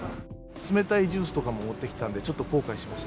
冷たいジュースとかも持ってきたんで、ちょっと後悔しました。